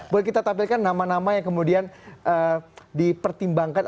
boleh kita tampilkan nama nama yang kemudian dipertimbangkan